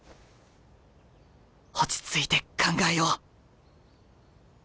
落ち着いて考えよう。